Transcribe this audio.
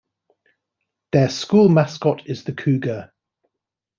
Their school mascot is the cougar.